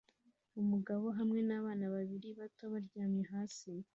Umugabo hamwe nabana babiri bato baryamye hasi